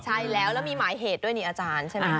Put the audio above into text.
ใช่แล้วแล้วมีหมายเหตุด้วยนี่อาจารย์ใช่ไหมค